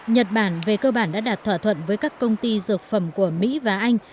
nhật bản về cơ bản đã đạt thỏa thuận với các công ty dược phẩm của mỹ và anh